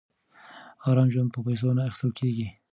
ارام ژوند په پیسو نه اخیستل کېږي.